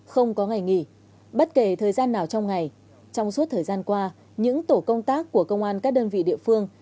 không có ngày nghỉ bất kể thời gian nào trong ngày trong suốt thời gian qua những tổ công tác của công an các đơn vị địa phương